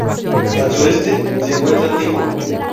Al sureste se encuentra Timor.